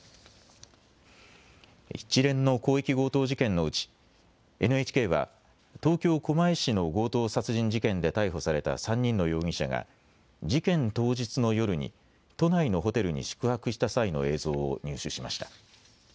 一連の広域強盗事件のうちＮＨＫは東京狛江市の強盗殺人事件で逮捕された３人の容疑者が事件当日の夜に都内のホテルに宿泊した際の映像を入手しました。